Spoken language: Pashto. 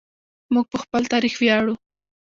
موږ په خپل تاریخ ویاړو.